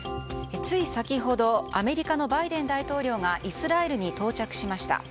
つい先ほどアメリカのバイデン大統領がイスラエルに到着しました。